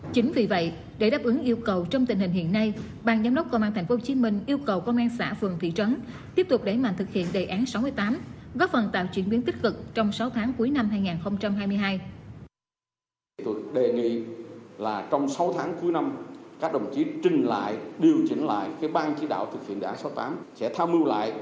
chính vì vậy để đáp ứng yêu cầu trong tình hình hiện nay ban giám đốc công an tp hcm yêu cầu công an xã phường thị trấn tiếp tục đẩy mạnh thực hiện đề án sáu mươi tám góp phần tạo chuyển biến tích cực trong sáu tháng cuối năm hai nghìn hai mươi hai